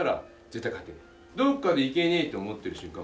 どっかで行けねえって思ってる瞬間